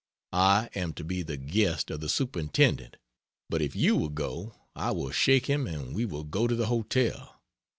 I am to be the guest of the Superintendent, but if you will go I will shake him and we will go to the hotel.